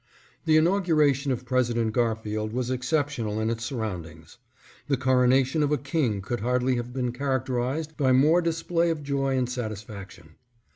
The inauguration of President Garfield was excep tional in its surroundings. The coronation of a king could hardly have been characterized by more display of joy and satisfaction.